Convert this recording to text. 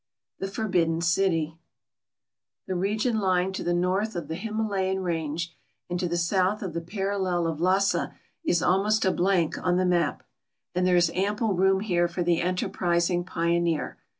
THE FOUniDDKN ( ITV The region lying to the north of the Himalayan range and to the south of the parallel of Lliasa is almost a l>iank on the niap. and there is ample room here for the enterprising pioneer.